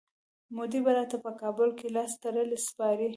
مودي به راته په کابل کي لاستړلی سپارئ.